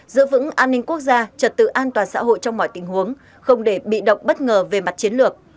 giữ vững an ninh quốc gia trật tự an toàn xã hội trong mọi tình huống không để bị động bất ngờ về mặt chiến lược